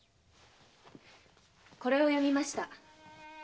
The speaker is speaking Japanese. これを読みました。